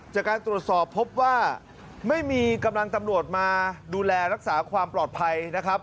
จากการตรวจสอบพบว่าไม่มีกำลังตำรวจมาดูแลรักษาความปลอดภัยนะครับ